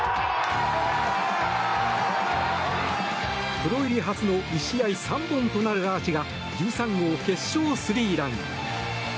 プロ入り初の１試合３本となるアーチが１３号決勝スリーラン。